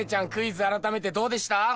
改めてどうでした？